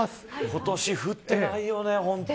今年、降ってないよね